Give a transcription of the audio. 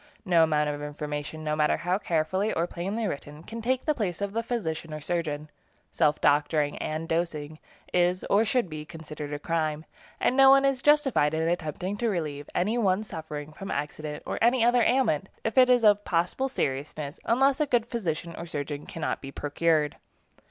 No amount of information, no matter how carefully or plainly written, can take the place of the physician or surgeon. Self doctoring and dosing is, or should be, considered a crime, and no one is justified in attempting to relieve any one suffering from accident or any other ailment, if it is of possible seriousness, unless a good physician or surgeon cannot be procured.